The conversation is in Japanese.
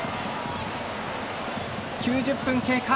９０分経過。